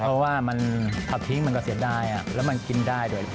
เพราะว่ามันเผาทิ้งมันก็เสียดายแล้วมันกินได้ด้วย